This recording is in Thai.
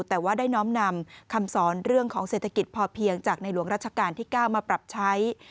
แต่ว่าได้น้อมนำคำสอนเรื่องของเศรษฐกิจพอเพียงจากในหลวงรัชกาลที่๙มาปรับใช้